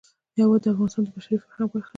هوا د افغانستان د بشري فرهنګ برخه ده.